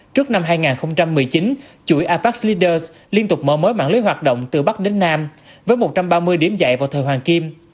trước năm hai nghìn một mươi chín chuỗi apac leaders liên tục mở mới mạng lưới hoạt động từ bắc đến nam với một trăm ba mươi điểm dạy vào thời hoàng kim